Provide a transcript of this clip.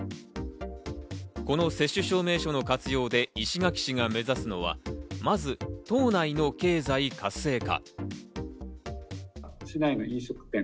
この接種証明書の活用で石垣市が目指すのは、まず島内の経済活性化。